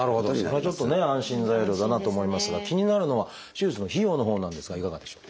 それはちょっとね安心材料だなと思いますが気になるのは手術の費用のほうなんですがいかがでしょう？